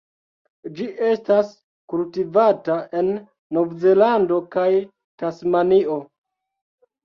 Ĝi estas kultivata en Novzelando kaj Tasmanio.